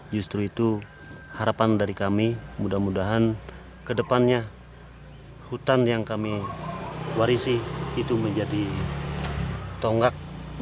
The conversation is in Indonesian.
justru itu harapan dari kami mudah mudahan kedepannya hutan yang kami warisi itu menjadi tonggak